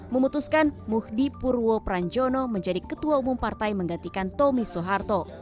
memutuskan muhdi purwo pranjono menjadi ketua umum partai menggantikan tommy soeharto